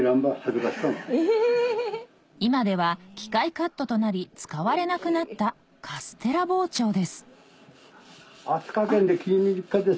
今では機械カットとなり使われなくなったカステラ包丁です